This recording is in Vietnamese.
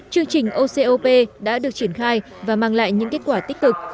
chương trình ocop đã được triển khai và mang lại những kết quả tích cực